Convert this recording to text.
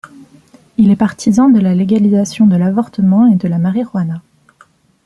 Il est partisan de la légalisation de l'avortement et de la marijuana.